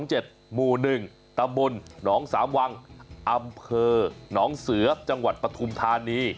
หมู่๑ตำบลหนองสามวังอำเภอหนองเสือจังหวัดปฐุมธานี